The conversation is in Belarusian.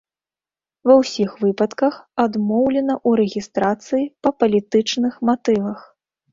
Ва ўсіх выпадках адмоўлена ў рэгістрацыі па палітычных матывах.